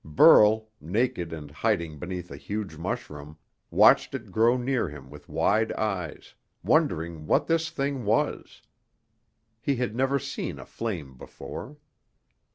Burl, naked and hiding beneath a huge mushroom, watched it grow near him with wide eyes, wondering what this thing was. He had never seen a flame before.